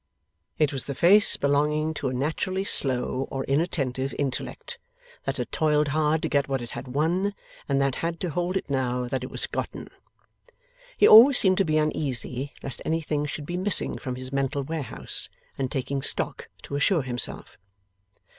It was the face belonging to a naturally slow or inattentive intellect that had toiled hard to get what it had won, and that had to hold it now that it was gotten. He always seemed to be uneasy lest anything should be missing from his mental warehouse, and taking stock to assure himself.